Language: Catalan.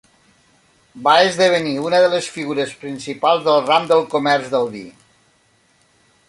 Va esdevenir una de les figures principals del ram del comerç del vi.